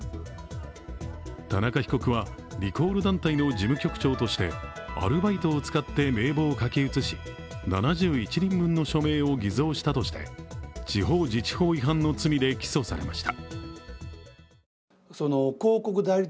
田中被告はリコール団体の事務局長としてアルバイトを使って名簿を書き写し７１人分の署名を偽造したとして地方自治法違反の罪で起訴されました。